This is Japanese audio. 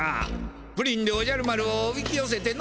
プリンでおじゃる丸をおびきよせての。